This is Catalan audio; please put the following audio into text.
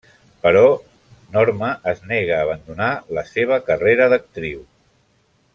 Però Norma es nega a abandonar la seva carrera d'actriu.